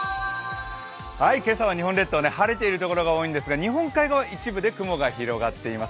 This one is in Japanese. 今朝は日本列島、晴れているところが多いんですが日本海側、一部で雲が広がっています。